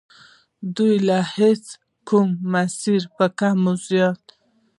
دوی له هیچ کوم مسیره په کم و زیات.